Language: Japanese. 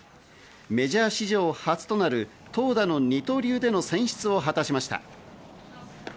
メジャー史上初となる投打の二刀流での選出を果たしました。